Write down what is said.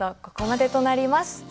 ここまでとなります。